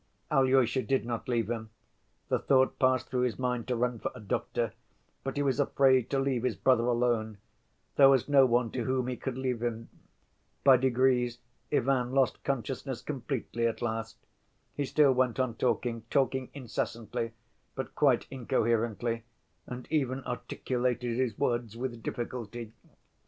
Alyosha did not leave him. The thought passed through his mind to run for a doctor, but he was afraid to leave his brother alone: there was no one to whom he could leave him. By degrees Ivan lost consciousness completely at last. He still went on talking, talking incessantly, but quite incoherently, and even articulated his words with difficulty.